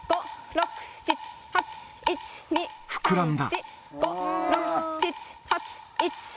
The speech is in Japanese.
膨らんだ。